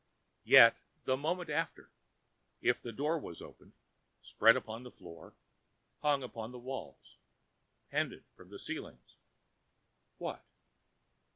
Yet, the moment after, if the door was opened, spread about the floor, hung upon the walls, pendant from the ceiling—what?